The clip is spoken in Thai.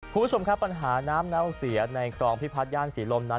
คุณผู้ชมครับปัญหาน้ำเน่าเสียในครองพิพัฒนย่านศรีลมนั้น